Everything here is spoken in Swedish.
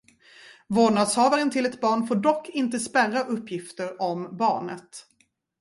Vårdnadshavaren till ett barn får dock inte spärra uppgifter om barnet.